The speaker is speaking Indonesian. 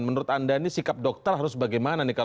menurut anda ini sikap dokter harus bagaimana nih